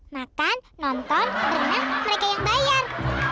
makan nonton bermain mereka yang bayar